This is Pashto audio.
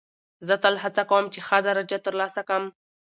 زه تل هڅه کوم، چي ښه درجه ترلاسه کم.